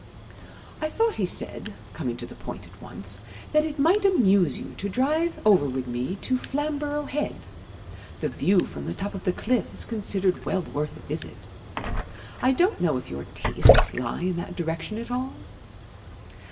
"I thought," he said, coming to the point at once, "that it might amuse you to drive over with me to Flamborough Head. The view from the top of the cliff is considered well worth a visit. I don't know if your tastes lie in that direction at all?"